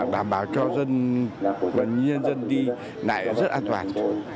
đảm bảo cho dân quân nhân dân đi lại rất an toàn